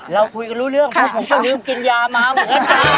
เราคุยกันรู้เรื่องพวกผมก็ลืมกินยามาก